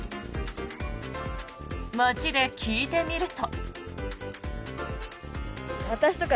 街で聞いてみると。